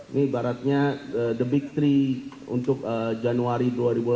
ini ibaratnya the big tiga untuk januari dua ribu delapan belas